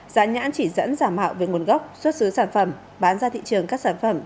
giá nhãn chỉ dẫn giả mạo về nguồn gốc xuất xứ sản phẩm bán ra thị trường các sản phẩm